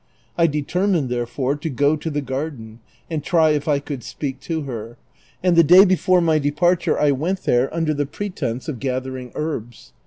I determined, therefore", to go to the garden and try if I could speak to her ; and the day before my departure I went there under the j^retence of gathering herbs.